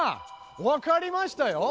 わかりましたよ！